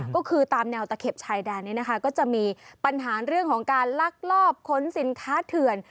ก็คือตามแนวตะเข็บชายแดนนี้นะคะก็จะมีปัญหาเรื่องของการลักลอบขนสินค้าเถื่อน